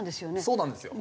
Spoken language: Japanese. そうなんですよ。